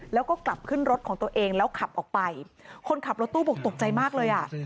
แล้วก็กลับขึ้นรถของตัวเองแล้วขับออกไปคนขับรถตู้บอกตกใจมากเลยอ่ะ